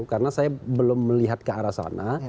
karena saya belum melihat ke arah sana